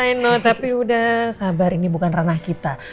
i know tapi udah sabar ini bukan ranah kita